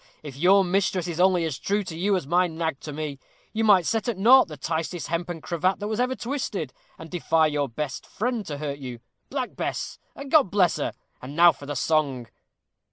if your mistress is only as true to you as my nag to me, you might set at naught the tightest hempen cravat that was ever twisted, and defy your best friend to hurt you. Black Bess! and God bless her! And now for the song."